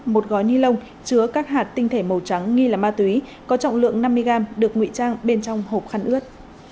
một gói ni lông chứa các hạt tinh thể màu trắng nghi là ma túy có trọng lượng năm mươi gram được ngụy trang bên trong hộp khăn ướt